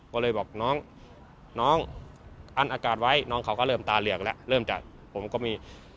ก็เลยบอกน้องน้องอั้นอากาศไว้น้องเขาก็เริ่มตาเหลือกแล้วเริ่มจากผมก็มี